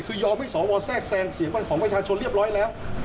คือยอมให้สวแทรกแซงเสียงไปของประชาชนเรียบร้อยแล้ว